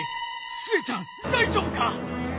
壽衛ちゃん大丈夫か！